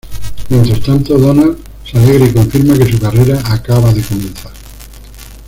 Mientras tanto, Donald se alegra y confirma que su carrera acaba de comenzar.